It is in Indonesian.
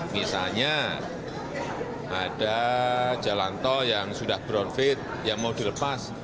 misalnya ada jalan tol yang sudah brownfit yang mau dilepas